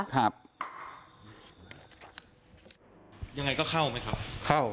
ยังไงก็เข้าไหมครับ